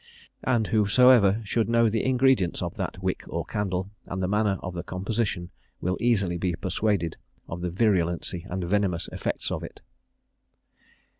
And whosoever should know the ingredients of that wick or candle, and the manner of the composition, will easily be persuaded of the virulency and venomous effect of it."